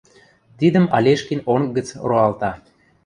Тидӹм Алешкин онг гӹц роалта.